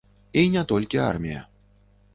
І не толькі армія.